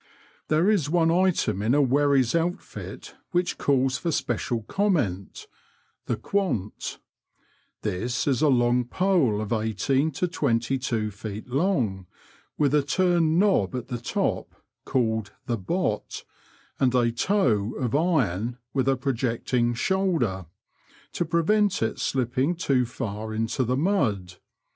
There is one item in a wherry's outfit which calls for special comment — the quant : this is a long pole of eighteen to twenty two feet long, with a turned knob at the top, called the hot," and a toe " of iron, with a projecting shoulder '* to prevent it slipping too far into the mud.